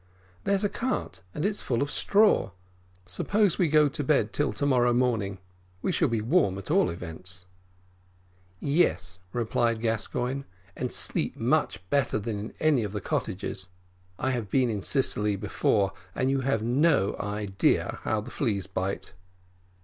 There's a cart, and it's full of straw suppose we go to bed till to morrow morning we shall be warm, at all events." "Yes," replied Gascoigne, "and sleep much better than in any of the cottages. I have been in Sicily before, and you have no idea how the fleas bite."